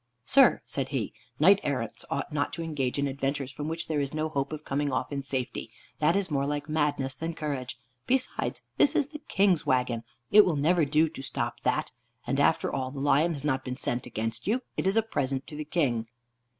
"Sir," said he, "knight errants ought not to engage in adventures from which there is no hope of coming off in safety. That is more like madness than courage. Besides, this is the King's wagon; it will never do to stop that. And after all, the lion has not been sent against you; it is a present to the King."